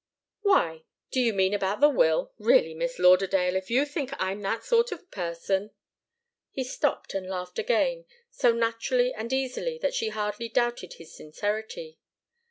"Why? Do you mean about the will? Really, Miss Lauderdale, if you think I'm that sort of person " He stopped and laughed again, so naturally and easily that she hardly doubted his sincerity.